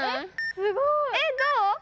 すごい！えっどう？